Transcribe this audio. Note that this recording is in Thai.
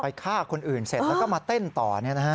ไปฆ่าคนอื่นเสร็จแล้วก็มาเต้นต่อเนี่ยนะฮะ